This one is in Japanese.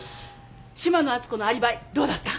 島野篤子のアリバイどうだった？